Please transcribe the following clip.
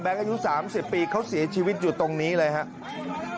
อายุ๓๐ปีเขาเสียชีวิตอยู่ตรงนี้เลยครับ